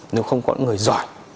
nếu không có con người giỏi